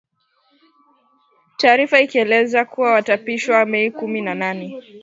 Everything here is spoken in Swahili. Taarifa ikieleza kuwa wataapishwa Mei kumi na nane